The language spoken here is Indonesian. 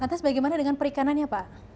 lantas bagaimana dengan perikanannya pak